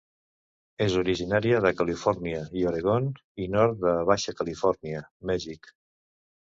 És originària de Califòrnia i Oregon i nord de Baixa Califòrnia, Mèxic.